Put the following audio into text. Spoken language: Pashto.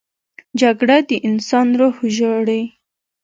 جګړه د انسان روح ژاړي